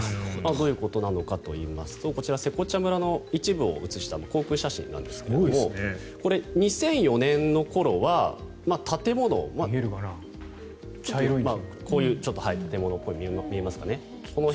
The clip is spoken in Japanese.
どういうことなのかというとこちらセコチャ村の一部を写した航空写真なんですけれども２００４年の頃はちょっと建物っぽいのが見えますかね？